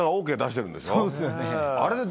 そうですよね。